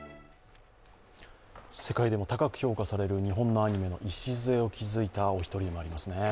世界でも高く評価される日本のアニメの礎を築いたお一人でもありますね。